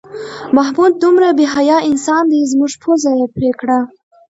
محمود دومره بې حیا انسان دی زموږ پوزه یې پرې کړه.